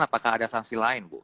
apakah ada sanksi lain bu